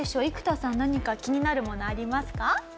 生田さん何か気になるものありますか？